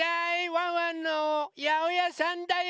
ワンワンのやおやさんだよ。